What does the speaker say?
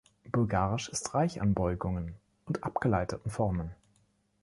Bulgarisch ist reich an Beugungen und abgeleiteten Formen.